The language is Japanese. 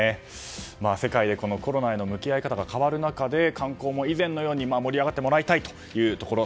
世界でコロナへの向き合い方が変わる中で観光も以前のように盛り上がってもらいたいというところ。